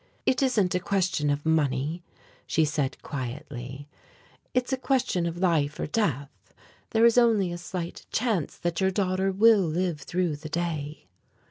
"It isn't a question of money," she said quietly, "it's a question of life or death. There is only a slight chance that your daughter will live through the day."